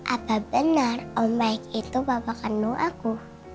apa benar om baik itu bapak kandung aku